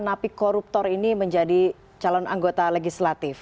napi koruptor ini menjadi calon anggota legislatif